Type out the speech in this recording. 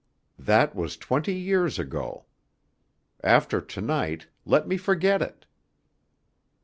That was twenty years ago. After to night let me forget it.